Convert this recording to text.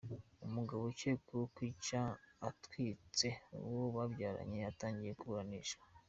Umugabo ukekwaho kwica atwitse uwo babyaranye yatangiye kuburanishwa .